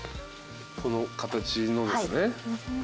この形のですね。